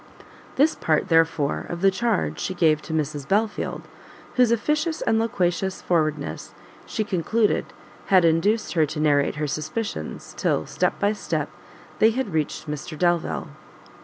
This part, therefore, of the charge she gave to Mrs Belfield, whose officious and loquacious forwardness she concluded had induced her to narrate her suspicions, till, step by step, they had reached Mr Delvile.